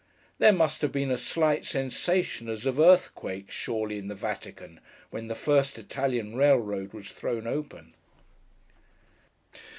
There must have been a slight sensation, as of earthquake, surely, in the Vatican, when the first Italian railroad was thrown open.